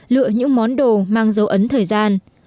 lựa những món đồ mang dấu ấn thời gian